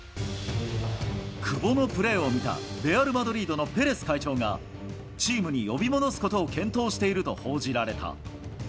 久保のプレーを見たレアル・マドリードのペレス会長が、チームに呼び戻すことを検討していると報じられた。